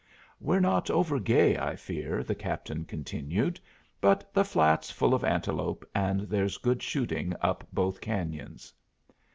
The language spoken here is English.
"We're not over gay, I fear," the Captain continued; "but the flat's full of antelope, and there's good shooting up both canyons."